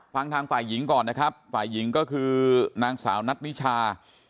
ฟังทางฝ่ายหญิงก่อนนะครับฝ่ายหญิงก็คือนางสาวนัทนิชา